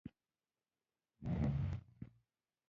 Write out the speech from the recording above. ترکیې مډالونه ګټلي